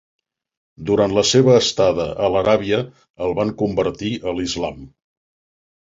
Durant la seva estada a l'Aràbia el van convertir a l'islam.